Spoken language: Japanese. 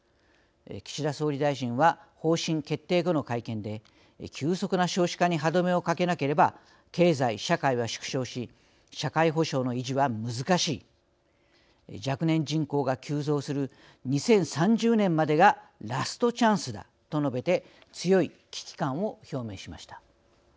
岸田総理大臣は方針決定後の会見で「急速な少子化に歯止めをかけなければ経済・社会は縮小し社会保障の維持は難しい」「若年人口が急増する２０３０年までがラストチャンスだ」と述べて強い危機感を表明しました。